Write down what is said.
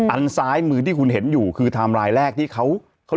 อันซ้ายมือที่คุณเห็นอยู่คือไทม์ไลน์แรกที่เขา